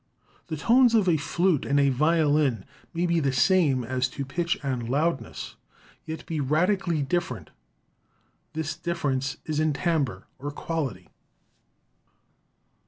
The tones of a flute and a violin may be the same as to pitch and loudness and yet be radically different. This difference is in tim bre, or quality."